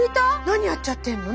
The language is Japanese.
何やっちゃってんの？